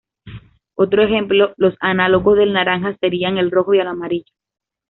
Otro ejemplo los análogos del naranja serían el rojo y el amarillo.